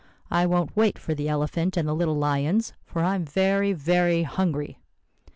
I won't wait for the elephant and the little lions, for I'm very, very hungry.